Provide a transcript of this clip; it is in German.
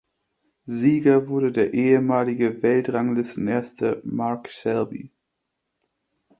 Sieger wurde der ehemalige Weltranglistenerste Mark Selby.